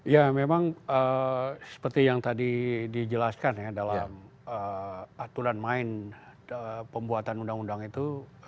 ya memang seperti yang tadi dijelaskan ya dalam aturan main pembuatan undang undang itu